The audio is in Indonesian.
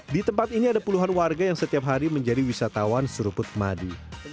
di tempat ini ada puluhan warga yang setiap hari menjadi wisatawan seruput madi